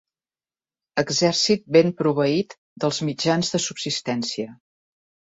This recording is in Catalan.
Exèrcit ben proveït dels mitjans de subsistència.